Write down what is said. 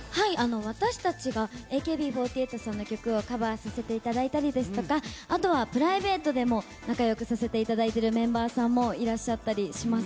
私たちがＡＫＢ４８さんの曲をカバーさせていただいたりですとかプライベートでも仲良くさせていただいているメンバーさんもいらっしゃったりします。